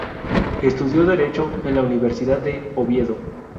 Estudió Derecho en la Universidad de Oviedo.